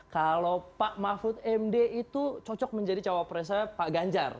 kalau pak mahfud md itu cocok menjadi cawapresnya pak ganjar